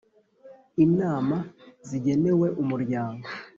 Inama zigenewe umuryango